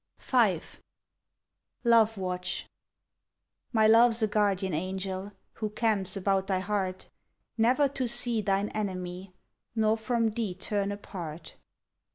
V LOVE WATCH My love's a guardian angel Who camps about thy heart, Never to See thine enemy, Nor from thee turn apart.